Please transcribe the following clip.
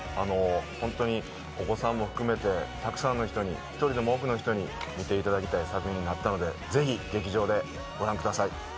本当にお子さんも含めてたくさんの人に一人でも多くの人に見ていただきたい作品になったので是非、劇場でご覧ください。